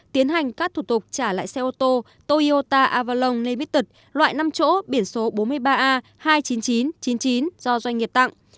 tiến hành các thủ tục trả lại xe ô tô toyota avalon limited loại năm chỗ biển số bốn mươi ba a hai trăm chín mươi chín chín mươi chín do doanh nghiệp tặng